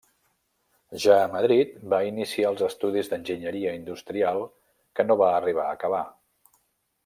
Ja a Madrid va iniciar els estudis d'Enginyeria Industrial que no va arribar a acabar.